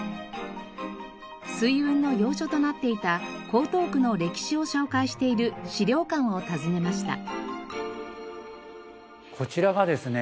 水運の要所となっていた江東区の歴史を紹介している資料館を訪ねました。